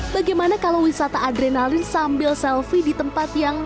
bagaimana kalau wisata adrenalin sambil selfie di tempat yang